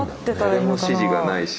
何も指示がないし。